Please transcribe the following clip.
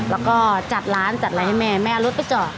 แล้วก็จัดร้านจัดอะไรให้แม่แม่เอารถไปจอด